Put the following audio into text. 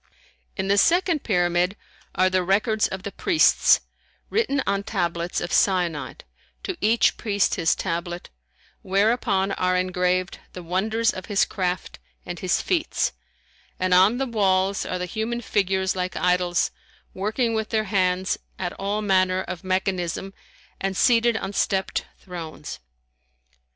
In the second Pyramid are the records of the priests, written on tablets of syenite, to each priest his tablet, whereon are engraved the wonders of his craft and his feats; and on the walls are the human figures like idols, working with their hands at all manner of mechanism and seated on stepped thrones.